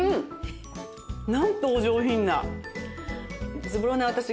なんとお上品な。